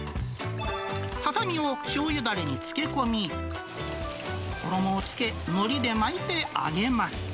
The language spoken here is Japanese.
ささみをしょうゆだれに漬け込み、衣をつけ、のりで巻いて揚げます。